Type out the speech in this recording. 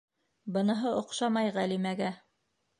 Быныһы оҡшамай Ғәлимәгә.